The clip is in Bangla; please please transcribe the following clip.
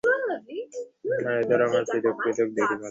মায়া দ্বারা আমরা পৃথক পৃথক দেখি মাত্র।